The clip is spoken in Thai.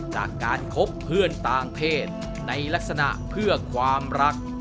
จากการคบเพื่อนต่างเพศในลักษณะเพื่อความรัก